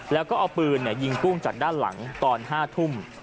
แล้วก็เอาปืนยิงกุ้งจากด้านหลังตอน๕ทุ่ม